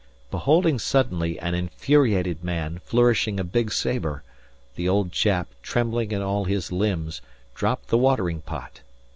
Beholding suddenly an infuriated man, flourishing a big sabre, the old chap, trembling in all his limbs, dropped the watering pot.